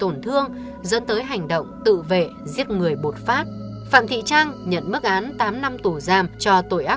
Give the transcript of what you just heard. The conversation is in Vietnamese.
phạm thị trang nhận mức án tám năm tù giam cho tội ác của mình nhưng được hoãn thi hành án do đang mang thai đứa con thứ hai